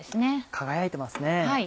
輝いてますね。